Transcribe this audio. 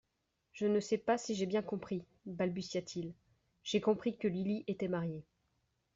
Je ne sais pas si j'ai bien compris, balbutia-t-il ; j'ai compris que Lily était mariée.